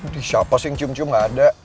siapa sih yang cium cium gak ada